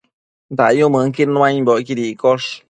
Dayumënquid nuaidquio iccosh